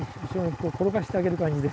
転がしてあげる感じで。